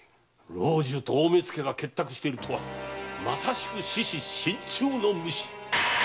老中と大目付が結託しているとはまさしく獅子身中の虫！